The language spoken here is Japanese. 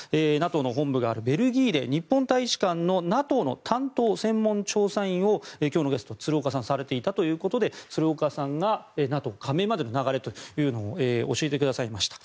ＮＡＴＯの本部があるベルギーで日本大使館のＮＡＴＯの担当専門調査員を今日のゲストの鶴岡さんはされていたということで鶴岡さんがＮＡＴＯ加盟までの流れを教えてくださいました。